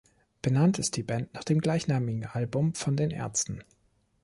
Benannt ist die Band nach dem gleichnamigen Album von den Ärzten.